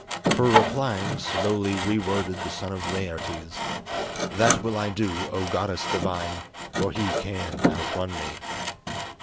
Her replying, slowly re worded the son of Laertes "That will I do, O goddess divine, for he can outrun me."